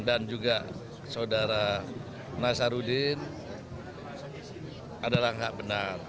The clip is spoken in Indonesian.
dan juga saudara nazarudin adalah enggak benar